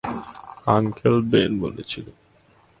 Uncle Ben বলেছিল।